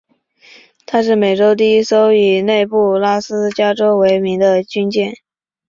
她是美军第一艘以内布拉斯加州为名的军舰。